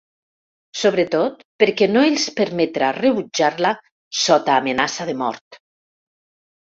Sobretot, perquè no els permetrà rebutjar-la, sota amenaça de mort.